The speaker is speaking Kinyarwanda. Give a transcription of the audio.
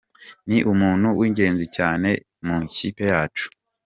"Ni umuntu w'ingenzi cyane mu ikipe yacu.